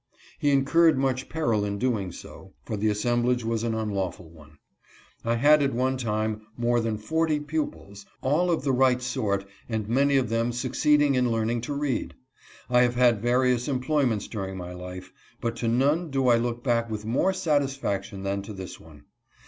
He incurred much peril in doing so, for the assemblage was an unlawful one. I had at one time more than forty pupils, all of the right sort, and many of them succeeded in learn ing to read. I have had various employments during my life, but to none do I look back with more satis faction than to this one.